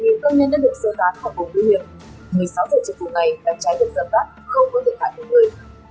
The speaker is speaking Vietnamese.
gần một công nhân đã được sơ tán khỏi vùng nguy hiểm một mươi sáu h chiều cùng ngày đàn cháy được giật bắt không có thể thả thêm người